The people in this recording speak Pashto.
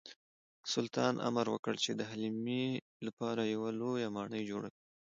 سلطان امر وکړ چې د حلیمې لپاره یوه لویه ماڼۍ جوړه کړي.